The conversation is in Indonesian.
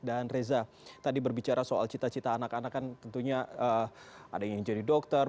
dan reza tadi berbicara soal cita cita anak anak kan tentunya ada yang ingin jadi dokter